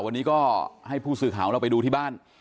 วันนี้ก็ให้ผู้สื่อข่าวของเราไปดูที่บ้าน